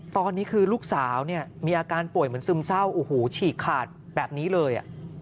ตอนนี้คือลูกสาวเนี่ยมีอาการป่วยเหมือนซึมเศร้าโอ้โหฉีกขาดแบบนี้เลย